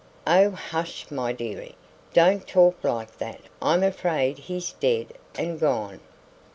"Oh, hush! my dearie; don't talk like that I'm afraid he's dead and gone."